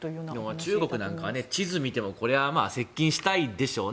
中国なんかは地図を見てもこれは接近したいでしょうね。